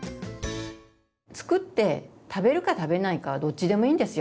作って食べるか食べないかはどっちでもいいんですよ。